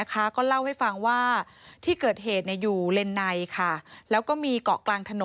ก็เล่าให้ฟังว่าที่เกิดเหตุอยู่เลนในแล้วก็มีเกาะกลางถนน